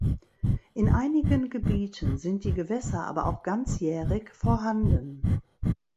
In einigen Gebieten sind die Gewässer aber auch ganzjährig vorhanden.